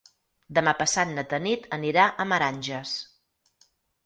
Demà passat na Tanit anirà a Meranges.